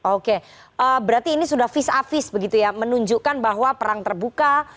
oke berarti ini sudah vis a vis begitu ya menunjukkan bahwa perang terbuka